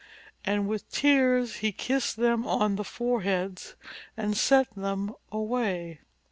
And with tears he kissed them on the fore heads and sent them away.